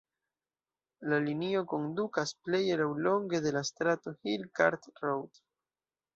La linio kondukas pleje laŭlonge de la strato Hill Cart Road.